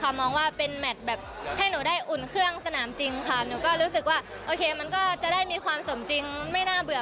มองว่าเป็นแมทแบบให้หนูได้อุ่นเครื่องสนามจริงค่ะหนูก็รู้สึกว่าโอเคมันก็จะได้มีความสมจริงไม่น่าเบื่อ